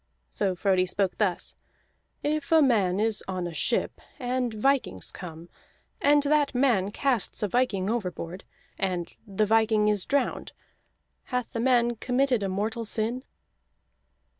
So Frodi spoke thus: "If a man is on a ship, and vikings come, and that man casts a viking overboard, and the viking is drowned hath the man committed a mortal sin?"